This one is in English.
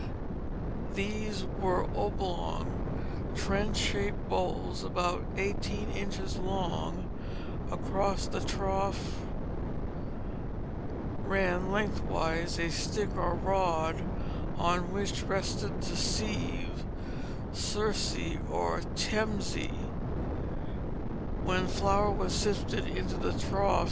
These were oblong, trencher shaped bowls about eighteen inches long; across the trough ran lengthwise a stick or rod on which rested the sieve, searse, or temse, when flour was sifted into the trough.